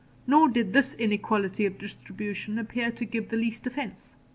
Nor did this inequality of distribution appear to give the least offence.